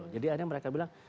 jadi ada yang mereka bilang